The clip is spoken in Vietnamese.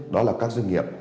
đó là các doanh nghiệp